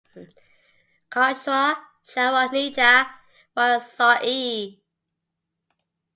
Kushoa Charo ni cha w'asaw'i.